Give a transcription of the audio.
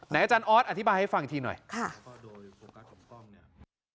อาจารย์ออสอธิบายให้ฟังอีกทีหน่อยค่ะ